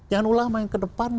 jangan ulama yang ke depan